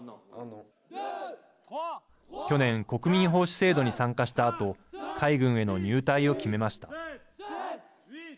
去年国民奉仕制度に参加したあと海軍への入隊を決めました。